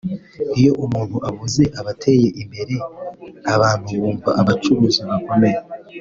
Iyo umuntu avuze abateye imbere abantu bumva abacuruzi bakomeye